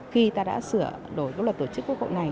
khi ta đã sửa đổi cái luật tổ chức quốc hội này